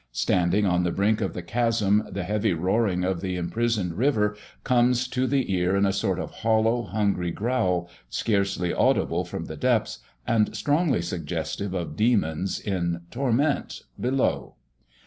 Standing on the brink of the chasm the heavy roaring of the imprisoned river comes to the ear in a sort of hollow, hungry growl, scarcely audible from the depths, and strongly suggestive of demons in torment below.